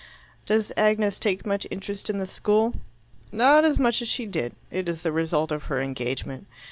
"Does Agnes take much interest in the school?" "Not as much as she did. It is the result of her engagement.